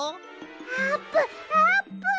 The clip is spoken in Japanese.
あーぷんあーぷん！